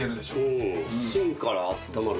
うん芯からあったまる。